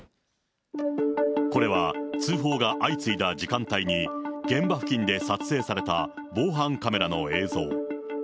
これは通報が相次いだ時間帯に、現場付近で撮影された防犯カメラの映像。